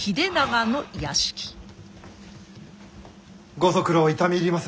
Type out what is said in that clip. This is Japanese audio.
ご足労痛み入りまする。